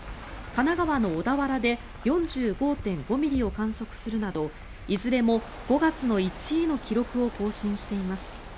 神奈川の小田原で４５．５ミリを観測するなどいずれも５月の１位の記録を更新しています。